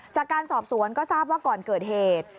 จากการสอบสวนก็ทราบว่าก่อนเกิดเหตุ